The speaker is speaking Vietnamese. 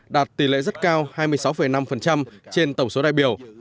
đạt tỷ lệ rất cao hai mươi sáu năm trên tổng số đại biểu